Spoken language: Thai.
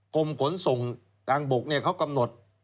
กรมขนส่งทางบกเขากำหนด